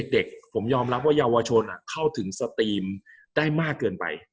เด็กผมยอมรับว่าเยาวชนเข้าถึงสตรีมได้มากเกินไป